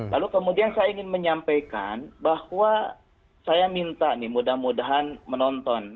lalu kemudian saya ingin menyampaikan bahwa saya minta nih mudah mudahan menonton